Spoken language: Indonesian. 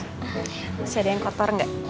masih ada yang kotor enggak